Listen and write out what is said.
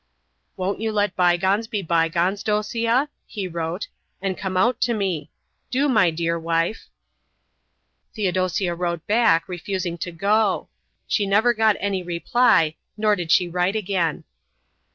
"Won't you let bygones be bygones, Dosia?" he wrote, "and come out to me. Do, my dear wife." Theodosia wrote back, refusing to go. She never got any reply, nor did she write again.